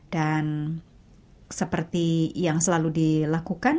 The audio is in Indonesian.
dan seperti yang selalu dilakukan